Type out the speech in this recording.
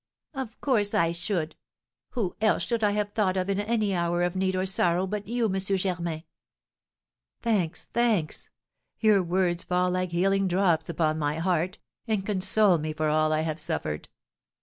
"Of course I should! Who else should I have thought of in any hour of need or sorrow but you, M. Germain?" "Thanks, thanks! Your words fall like healing drops upon my heart, and console me for all I have suffered."